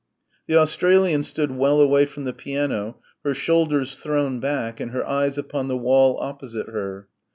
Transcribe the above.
The Australian stood well away from the piano, her shoulders thrown back and her eyes upon the wall opposite her.